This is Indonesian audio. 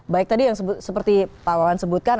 baik tadi yang seperti pak wawan sebutkan